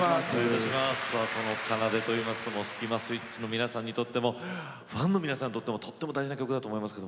「奏」といいますとスキマスイッチの皆さんにとってもファンの皆さんにとっても、とても大事な曲だと思います。